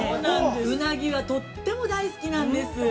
うなぎは、とっても大好きなんです。